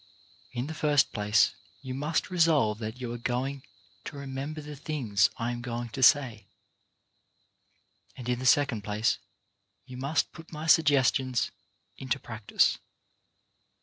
In the first place you must resolve that you are going to remember the things I am going to say, and in the second place you must put my sug gestions into practice.